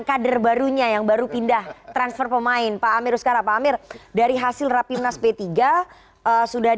kader barunya yang baru pindah transfer pemain pak amir uskara pak amir dari hasil rapimnas p tiga sudah